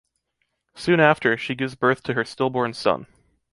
Soon after, she gives birth to her stillborn son.